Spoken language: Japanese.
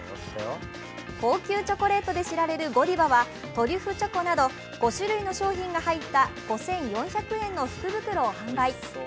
高級チョコレートで知られるゴディバはトリュフチョコなど５種類の商品が入った５４００円の福袋を販売。